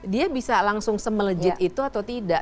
dia bisa langsung semelejit itu atau tidak